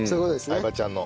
相葉ちゃんの。